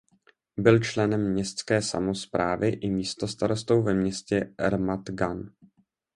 Byl členem městské samosprávy i místostarostou ve městě Ramat Gan.